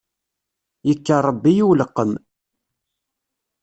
Yekker rebbi i uleqqem.